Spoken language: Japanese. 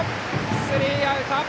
スリーアウト。